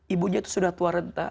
ibunya itu sudah tua renta